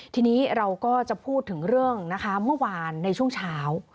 ทีนี้เราก็จะพูดถึงเรื่องนะคะเมื่อวานในช่วงเช้า